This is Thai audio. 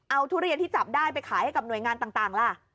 เอาทุเรียนที่จับได้ไปขายให้กับหน่วยงานต่างล่ะ